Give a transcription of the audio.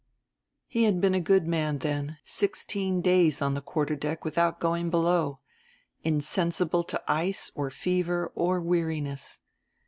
He had been a good man then, sixteen days on the quarter deck without going below; insensible to ice or fever or weariness.